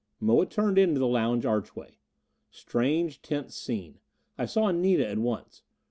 Moa turned into the lounge archway. Strange, tense scene. I saw Anita at once.